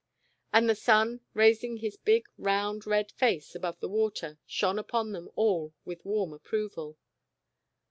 And the sun, raising his big round, red face above the water, shone upon them all with warm approval.